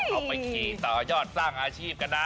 เอาไปขี่ต่อยอดสร้างอาชีพกันนะ